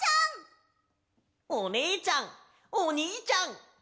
おねえちゃんおにいちゃん。